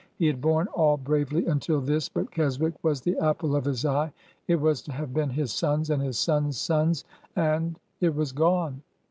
He had borne all bravely until this. But Keswick was the apple of his eye. It was to have been his son's and his son's son's, and— it was gone